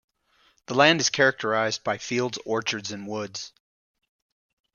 The land is characterized by fields, orchards, and woods.